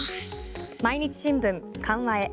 毎日新聞、緩和へ。